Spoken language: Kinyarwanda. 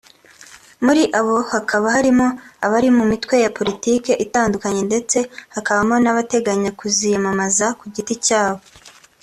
muri abo hakaba harimo abari mu mitwe ya Politiki itandukanye ndetse hakabamo n’abateganya kuziyamamaza ku giti cyabo